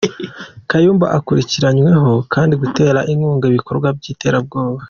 Kayumba akurikiranyweho kandi gutera inkunga ibikorwa by’iterabwoba.